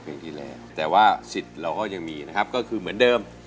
เพลงที่แล้วแต่ว่าสิทธิ์เราก็ยังมีนะครับก็คือเหมือนเดิม